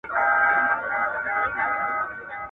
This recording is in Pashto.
معلم وپوښتی حکمت په زنګوله کي